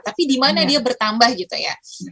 tapi di mana dia bertambah gitu ya